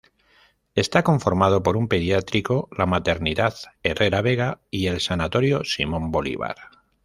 Está conformado por un pediátrico, la maternidad Herrera Vega y el Sanatorio Simón Bolívar.